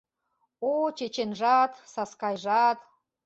— О, чеченжат, Саскайжат